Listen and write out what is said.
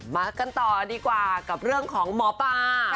มากันต่อดีกว่ากับเรื่องของหมอปลา